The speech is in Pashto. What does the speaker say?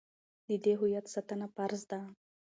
د دې هویت ساتنه فرض ده.